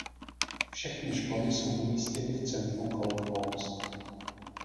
Všechny školy jsou umístěny v centru Gold Coast.